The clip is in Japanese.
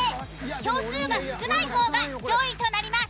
票数が少ない方が上位となります。